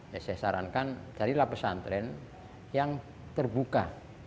ya saya sarankan carilah pesantren yang terbuka